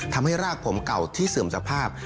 ทำให้รากผมเก่าที่เสื่อมสภาพ